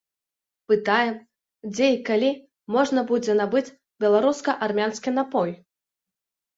Пытаем, дзе і калі можна будзе набыць беларуска-армянскі напой.